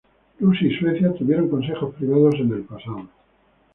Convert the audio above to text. Rusia y Suecia tuvieron Consejos Privados en el pasado.